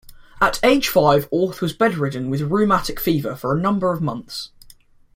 At age five Auth was bedridden with rheumatic fever for a number of months.